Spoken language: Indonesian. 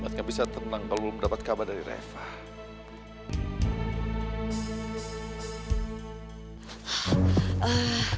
buat gak bisa tenang kalau belum dapat kabar dari reva